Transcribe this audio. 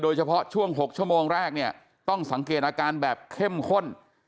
เฉพาะช่วง๖ชั่วโมงแรกเนี่ยต้องสังเกตอาการแบบเข้มข้น